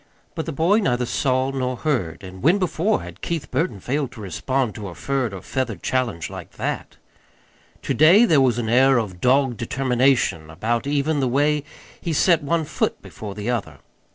But the boy neither saw nor heard and when before had Keith Burton failed to respond to a furred or feathered challenge like that? To day there was an air of dogged determination about even the way he set one foot before the other.